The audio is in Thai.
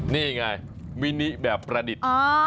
นี่ไงมินิแบบประดิษฐ์